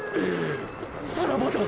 さらばだ！